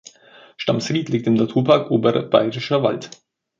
Stamsried liegt im Naturpark Oberer Bayerischer Wald.